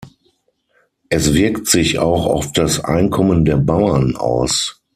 Es wirkt sich auch auf das Einkommen der Bauern aus.